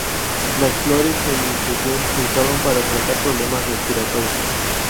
Las flores en infusión se usaban para tratar problemas respiratorios.